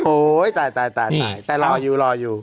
โอ้ยตายแต่รออยู่